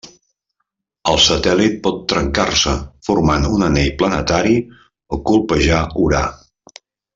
El satèl·lit pot trencar-se formant un anell planetari o colpejar Urà.